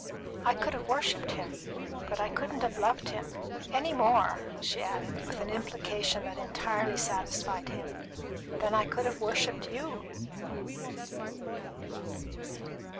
I could have worshipped him, but I couldn't have loved him any more," she added, with an implication that entirely satisfied him, "than I could have worshipped you."